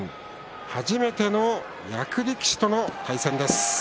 初めての役力士との対戦です。